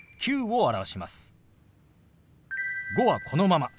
「５」はこのまま。